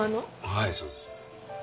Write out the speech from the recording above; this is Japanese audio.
はいそうです。